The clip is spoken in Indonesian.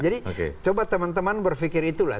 jadi coba teman teman berpikir itulah